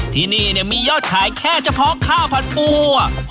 ที่นี่มียอดขายแค่เฉพาะข้าวผัดปัว